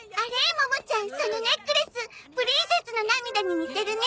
モモちゃんそのネックレスプリンセスの涙に似てるね。